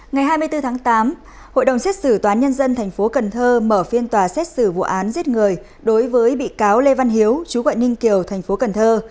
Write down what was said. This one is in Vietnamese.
ngày hai mươi bốn tháng tám hội đồng xét xử tòa nhân dân tp cần thơ mở phiên tòa xét xử vụ án giết người đối với bị cáo lê văn hiếu chú quận ninh kiều thành phố cần thơ